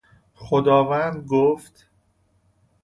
خداوند گفت